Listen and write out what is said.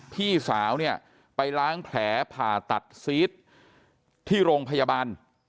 พี่สาวเนี่ยไปล้างแผลผ่าตัดซีสที่โรงพยาบาล